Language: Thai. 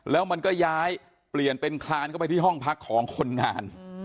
แล้วมันก็ย้ายเปลี่ยนเป็นคลานเข้าไปที่ห้องพักของคนงาน